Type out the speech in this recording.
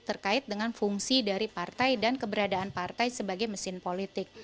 terkait dengan fungsi dari partai dan keberadaan partai sebagai mesin politik